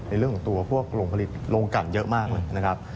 เรื่องของตัวพวกโรงผลิตโรงการเยอะมากเลยนะครับ